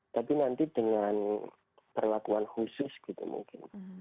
tapi nanti dengan perlakuan khusus gitu mungkin